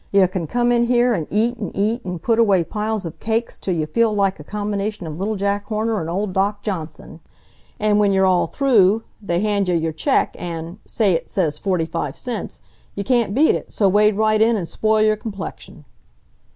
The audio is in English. You c'n come in here an' eat an' eat an' put away piles of cakes till you feel like a combination of Little Jack Horner an' old Doc Johnson. An' w'en you're all through, they hand yuh your check, an', say it says forty five cents. You can't beat it, so wade right in an' spoil your complexion."